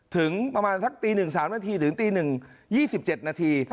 ถึงประมาณทักตีหนึ่งสามนาทีถึงตีหนึ่งยี่สิบเจ็ดนาที